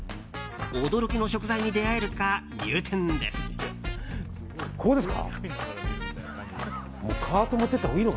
驚きの食材に出会えるか入店です。